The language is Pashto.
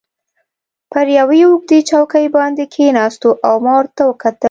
پر یوې اوږدې چوکۍ باندې کښېناستو او ما ورته وکتل.